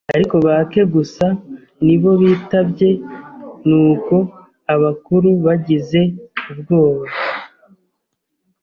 ariko bake gusa ni bo bitabye, nuko abakuru bagize ubwoba,